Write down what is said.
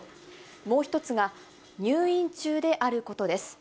もう１つが入院中であることです。